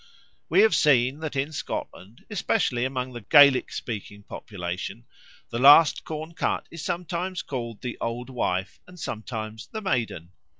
We have seen that in Scotland, especially among the Gaelic speaking population, the last corn cut is sometimes called the Old Wife and sometimes the Maiden.